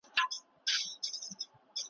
شعر چندان خوند نه کوي، وخت ضایع ده...